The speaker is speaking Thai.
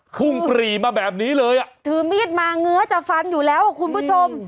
พุ่งปรีมาแบบนี้เลยอ่ะถือมีดมาเงื้อจะฟันอยู่แล้วอ่ะคุณผู้ชม